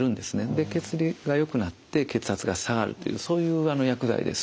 で血流がよくなって血圧が下がるというそういう薬剤です。